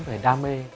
về đam mê